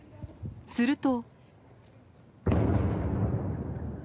すると。